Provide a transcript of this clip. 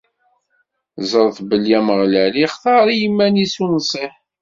Ẓret belli Ameɣlal ixtar i yiman-is unṣiḥ.